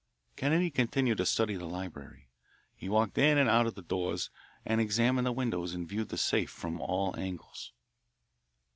Kennedy continued to study the library. He walked in and out of the doors and examined the windows and viewed the safe from all angles.